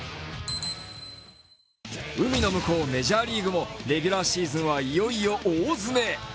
海の向こう、メジャーリーグもレギュラーシーズンはいよいよ大詰め。